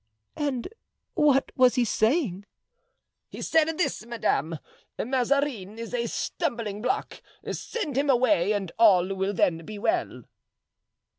"And what was he saying?" "He said this, madame: 'Mazarin is a stumbling block. Send him away and all will then be well.